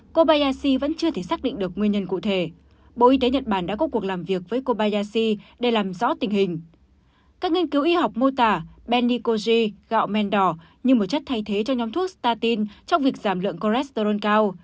các nghiên cứu y học mô tả benicoji gạo men đỏ như một chất thay thế cho nhóm thuốc statin trong việc giảm lượng cholesterol cao